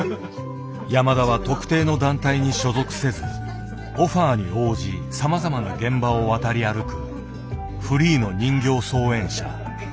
山田は特定の団体に所属せずオファーに応じさまざまな現場を渡り歩くフリーの人形操演者。